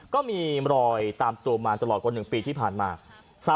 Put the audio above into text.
ก็มีรอยตามตัวมาตลอดกว่า๑ปีที่ผ่านมา